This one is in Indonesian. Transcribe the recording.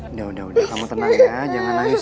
udah udah udah kamu tenang ya jangan nangis